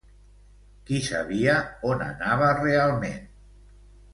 Qui sabia on anava realment?